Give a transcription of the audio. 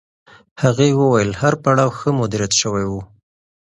هغې وویل هر پړاو ښه مدیریت شوی و.